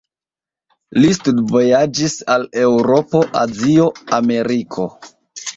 Li studvojaĝis al Eŭropo, Azio, Ameriko.